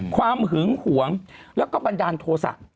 หึงหวงแล้วก็บันดาลโทษะ